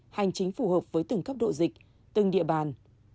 hành chính phù hợp với từng cấp độ dịch từng địa bàn